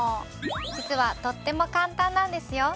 実はとっても簡単なんですよ。